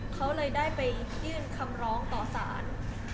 เขาเลยได้ไปยื่นคำร้องต่อสาร